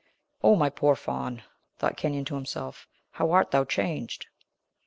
"O, my poor Faun," thought Kenyon to himself, "how art thou changed!"